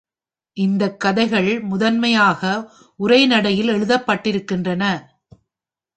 இந்தக் கதைகள் முதன்மையாக உரைநடைகளில் எழுதப்பட்டிருக்கின்றன.